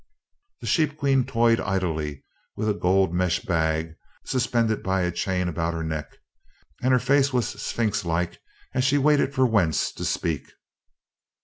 The Sheep Queen toyed idly with a gold mesh bag suspended by a chain about her neck, and her face was sphinx like as she waited for Wentz to speak.